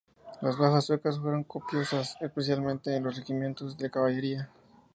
Las bajas suecas fueron copiosas, especialmente en los regimientos de caballería.